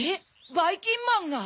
ばいきんまんが？